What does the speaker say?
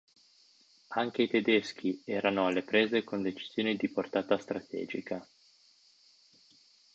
Anche i tedeschi erano alle prese con decisioni di portata strategica.